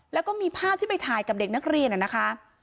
แล้วก็มีภาพที่ไปถ่ายกับเด็กนักเรียนนะคะ